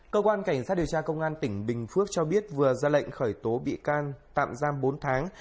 cơ quan cảnh sát điều tra công an tỉnh bình phước cho biết vừa ra lệnh khởi tố bị can tạm giam bốn tháng